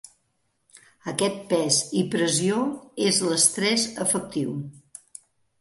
Aquest pes i pressió és l'estrès efectiu.